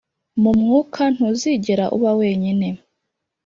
mu mwuka ntuzigera uba wenyine.